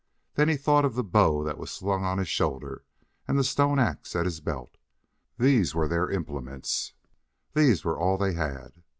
Then he thought of the bow that was slung on his shoulder and the stone ax at his belt. These were their implements: these were all they had....